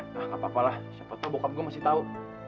nah gak apa apa lah siapa tau bokap gue masih tau